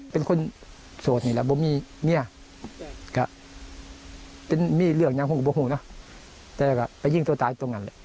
เป็นคนโสดนี้แหละไม่มีเมียไม่มีเรื่องอย่างโหงแต่ก็ไปยิงตัวตายตรงนั้นเลย